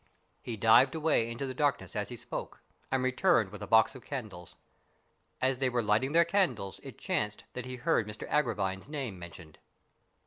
He dived away into the darkness as he spoke, and returned with a box of candles. As they were lighting their candles it chanced that he heard Mr Agravine's name mentioned.